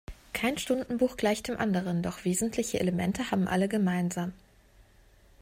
Kein Stundenbuch gleicht dem anderen, doch wesentliche Elemente haben alle gemeinsam.